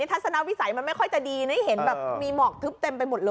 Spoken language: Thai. ทัศนวิสัยมันไม่ค่อยจะดีนะเห็นแบบมีหมอกทึบเต็มไปหมดเลย